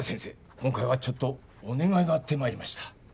今回はちょっとお願いがあって参りました」